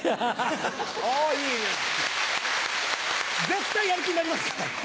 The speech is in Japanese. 絶対やる気になりますから。